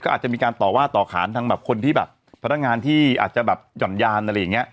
อาจจะมีการต่อว่าต่อขานทางแบบคนที่แบบพนักงานที่อาจจะแบบหย่อนยานอะไรอย่างนี้